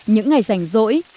những ngày rảnh rỗi